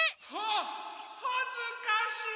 ・ははずかしい！